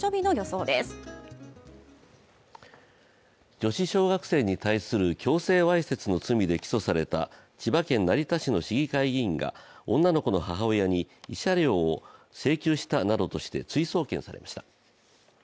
女子小学生に対する強制わいせつの罪で起訴された千葉県成田市の市議会議員が女の子の母親に慰謝料を請求したなどとして追送検されました。